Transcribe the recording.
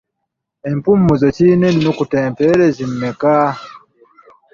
Empumuzo kirina ennukuta empeerezi mmeka?